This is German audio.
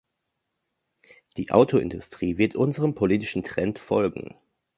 Die Autoindustrie wird unserem politischen Trend folgen.